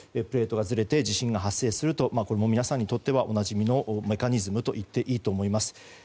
プレートがずれて地震が発生すると皆さんにとってはおなじみのメカニズムといっていいと思います。